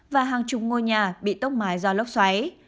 và hàng chục ngôi nhà bị tốc mái do lốc xoáy